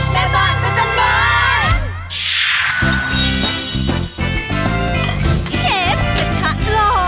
เชฟกระทะหล่อ